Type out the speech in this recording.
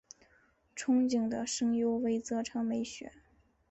憧憬的声优为泽城美雪。